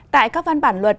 tại các văn bản luật